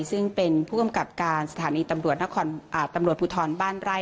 ซึ่งเป็นผู้กำกับการสถานีตำรวจตำรวจภูทรบ้านไร่